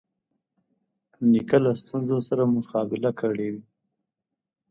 نیکه له ستونزو سره مقابله کړې وي.